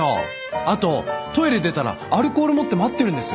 あとトイレ出たらアルコール持って待ってるんですよ。